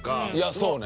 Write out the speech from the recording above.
そうね。